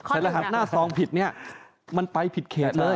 แต่รหัสหน้าซองผิดเนี่ยมันไปผิดเขตเลย